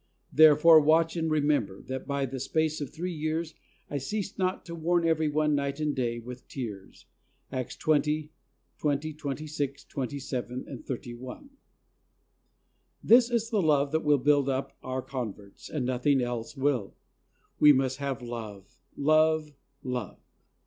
. Therefore watch, and remember, that by the space of three years I ceased not to warn everyone night and day with tears." (Acts 20: 20, 26, 2^, 31,) This is the love that will build up our converts, and nothing else will. We must have love, love, love!